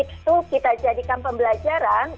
itu kita jadikan pembelajaran